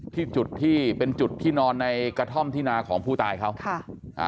ที่จุดที่เป็นจุดที่นอนในกระท่อมที่นาของผู้ตายเขาค่ะอ่า